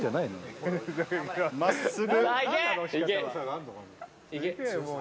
まっすぐ。